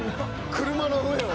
車の上を？